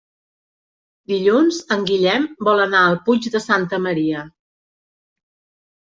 Dilluns en Guillem vol anar al Puig de Santa Maria.